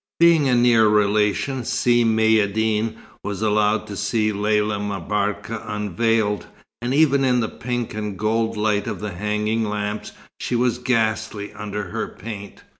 Being a near relation, Si Maïeddine was allowed to see Lella M'Barka unveiled; and even in the pink and gold light of the hanging lamps, she was ghastly under her paint.